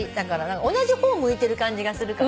同じ方を向いてる感じがするから。